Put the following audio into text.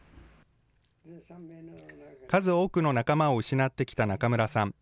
数多くの仲間を失ってきた中村さん。